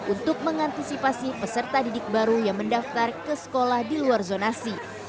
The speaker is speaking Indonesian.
untuk mengantisipasi peserta didik baru yang mendaftar ke sekolah di luar zonasi